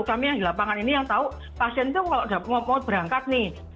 kami yang di lapangan ini yang tahu pasien itu kalau mau berangkat nih